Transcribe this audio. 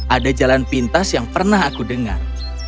ada jalan pintas yang pernah aku dengar